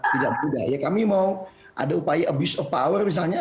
tidak mudah ya kami mau ada upaya abuse of power misalnya